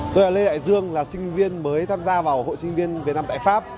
tôi là lê hải dương là sinh viên mới tham gia vào hội sinh viên việt nam tại pháp